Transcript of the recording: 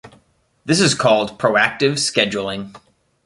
This is called "proactive scheduling".